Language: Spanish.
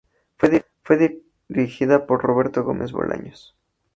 Fue dirigida por Roberto Gómez Bolaños.